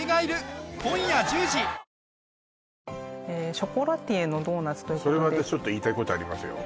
ショコラティエのドーナツということでそれは私言いたいことありますよ